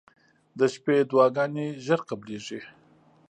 • د شپې دعاګانې زر قبلېږي.